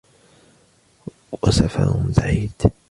وَسَفَرٌ بَعِيدٌ